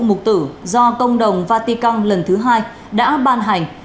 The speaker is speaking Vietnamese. nhiệm vụ mục tử do công đồng vatican lần thứ hai đã ban hành